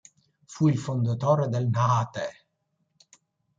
Fu il fondatore del Naha-Te.